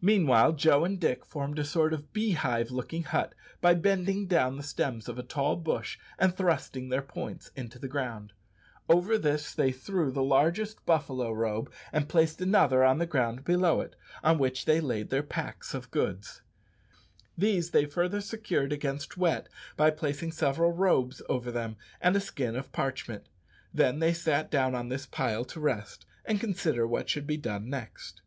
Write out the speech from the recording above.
Meanwhile, Joe and Dick formed a sort of beehive looking hut by bending down the stems of a tall bush and thrusting their points into the ground. Over this they threw the largest buffalo robe, and placed another on the ground below it, on which they laid their packs of goods. These they further secured against wet by placing several robes over them and a skin of parchment. Then they sat down on this pile to rest, and consider what should be done next.